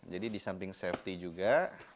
jadi di samping safety juga